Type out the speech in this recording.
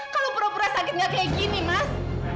kalau pura pura sakit nggak kayak gini mas